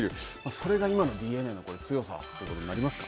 それが今のＤｅＮＡの強さということになりますか。